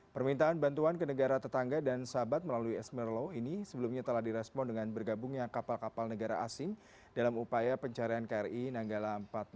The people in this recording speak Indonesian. permintaan bantuan ke negara tetangga dan sahabat melalui esmerlow ini sebelumnya telah direspon dengan bergabungnya kapal kapal negara asing dalam upaya pencarian kri nanggala empat ratus dua